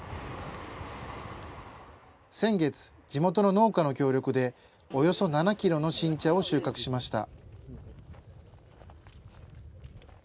先月、地元の農家の協力でおよそ７キロの新茶を収穫しました。